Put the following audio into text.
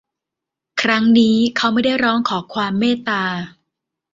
ครั้งนี้เขาไม่ได้ร้องขอความเมตตา